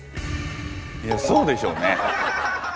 そうでしょうね。